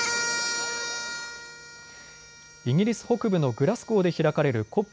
イギリス北部のグラスゴーで開かれるＣＯＰ